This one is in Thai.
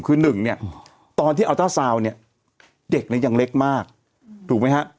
คือหนึ่งเนี่ยตอนที่เอาเจ้าซาวน์เนี่ยเด็กเนี่ยยังเล็กมากถูกไหมฮะ